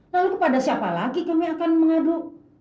lalu kepada siapa lagi kami akan mengadu